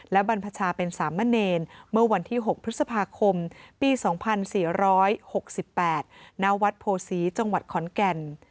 และบรรพชาเป็นสามเณรเมื่อวันที่๖พฤษภาคมปี๒๔๖๘ณวัดโพศีจังหวัดขอนแก่น